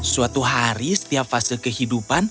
suatu hari setiap fase kehidupan